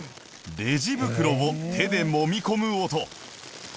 レジ袋を手でもみ込む音